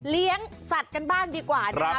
เลี้ยงสัตว์กันบ้างดีกว่านะคะ